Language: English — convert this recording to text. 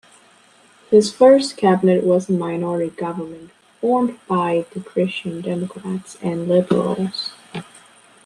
His first cabinet was a minority government formed by the Christian-democrats and liberals.